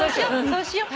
そうしよう。